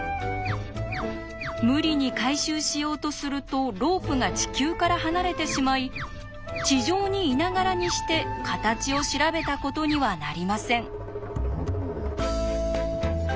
無理に回収しようとするとロープが地球から離れてしまい地上にいながらにして形を調べたことにはなりません。